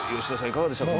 いかがでしたか？